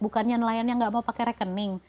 bukannya nelayan yang nggak mau pakai rekening